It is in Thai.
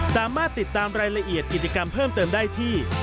สามารถติดตามรายละเอียดกิจกรรมเพิ่มเติมได้ที่